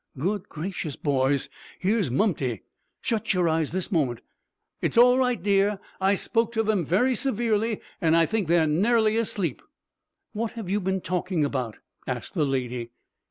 "Good gracious, boys, here's Mumty. Shut your eyes this moment. It's all right, dear. I spoke to them very severely and I think they are nearly asleep." "What have you been talking about?" asked the Lady.